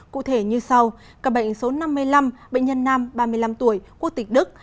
cụ thể như sau ca bệnh số năm mươi năm bệnh nhân nam ba mươi năm tuổi quốc tịch đức